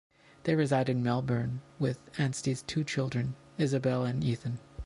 They reside in Melbourne with Anstey's two children, Isobel and Ethan.